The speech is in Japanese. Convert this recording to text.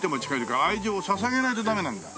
愛情を捧げないとダメなんだ。